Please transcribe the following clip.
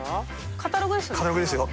カタログですよ